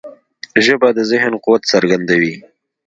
ژبه د ذهن قوت څرګندوي